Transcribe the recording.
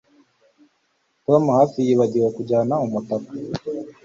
Tom hafi yibagiwe kujyana umutaka